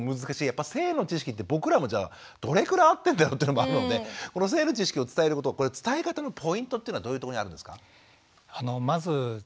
やっぱ性の知識って僕らもじゃあどれくらい合ってんだろうっていうのがあるのでこの性の知識を伝えること伝え方のポイントっていうのはどういうところにあるんですか？